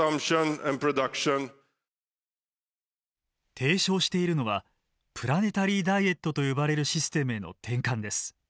提唱しているのはプラネタリーダイエットと呼ばれるシステムへの転換です。